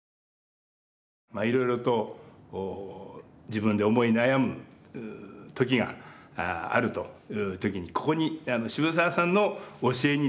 いろいろと自分で思い悩む時があるという時にここに渋沢さんの教えにですね